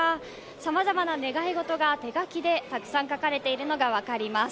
さまざまな願い事が手書きでたくさん書かれているのが分かります。